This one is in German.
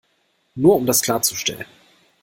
Nur um das klarzustellen.